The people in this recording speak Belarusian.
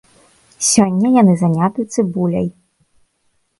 Сёння яны заняты цыбуляй.